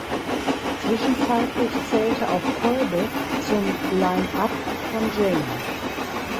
Zwischenzeitlich zählte auch Kolbe zum Line-up von Jane.